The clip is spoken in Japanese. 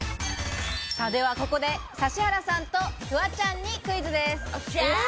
ではここで指原さんとフワちゃんにクイズです。